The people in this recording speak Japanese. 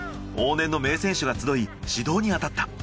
往年の名選手が集い指導にあたった。